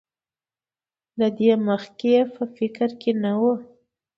له دې مخکې یې په فکر کې نه وو.